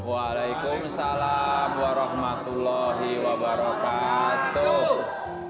wa'alaikumsalam warahmatullahi wabarakatuh